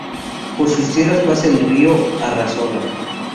Por sus tierras pasa el Río Arrazola.